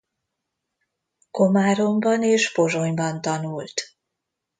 Komáromban és Pozsonyban tanult.